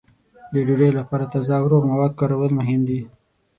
د ډوډۍ لپاره تازه او روغ مواد کارول مهم دي.